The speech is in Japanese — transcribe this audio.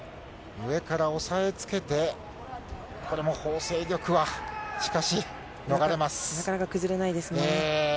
上から押さえつけて、これも、ホウ倩玉はしかし逃れます。